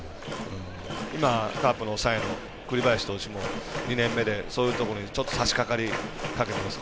今、カープの抑えの栗林投手も２年目でそういうところにちょっと、さしかかりかけてます。